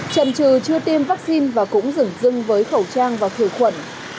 chậm trừ chưa tiêm vaccine và cũng dừng dưng với khẩu trang và thừa khuẩn